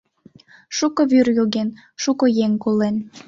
Шуко вӱр йоген, шуко еҥ колен.